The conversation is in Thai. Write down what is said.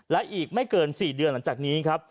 และอีกไม่เกิน๔เดือนหลังจากนี้ครับ